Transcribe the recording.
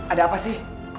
ada apa sih